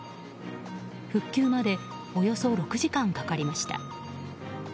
復旧までおよそ６時間かかりました。